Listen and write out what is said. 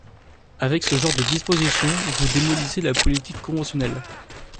Avec ce genre de dispositions, vous démolissez la politique conventionnelle.